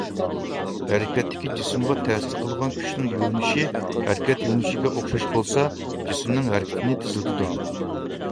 ھەرىكەتتىكى جىسىمغا تەسىر قىلغان كۈچنىڭ يۆنىلىشى ھەرىكەت يۆنىلىشىگە ئوخشاش بولسا، جىسىمنىڭ ھەرىكىتىنى تېزلىتىدۇ.